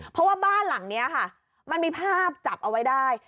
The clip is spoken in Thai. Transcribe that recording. เพราะว่าบ้านหลังนี้ค่ะมันมีภาพจับเอาไว้ได้